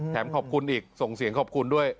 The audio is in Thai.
ขอบคุณอีกส่งเสียงขอบคุณด้วย